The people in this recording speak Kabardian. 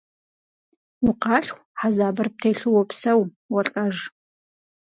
Укъалъху, хьэзабыр птелъу уопсэу, уолӏэж.